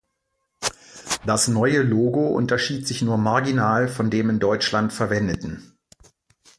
Das neue Logo unterschied sich nur marginal von dem in Deutschland verwendeten.